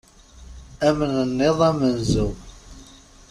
Amnenniḍ amenzu.